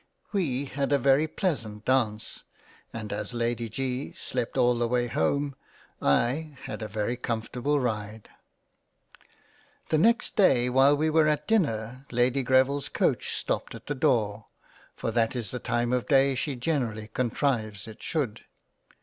We had a very pleasant Dance and as Lady G slept all the way home, I had a very comfortable ride. The next day while we were at dinner Lady Greville's Coach stopped at the door, for that is the time of day she generally contrives it should.